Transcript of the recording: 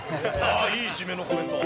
いい締めのコメント。